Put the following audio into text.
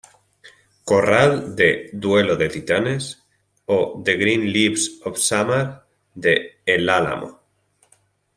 Corral" de "Duelo de titanes", o "The green leaves of summer" de "El Álamo".